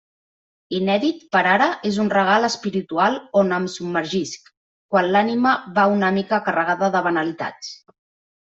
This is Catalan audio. Inèdit, per ara, és un regal espiritual on em submergisc quan l'ànima va una mica carregada de banalitats.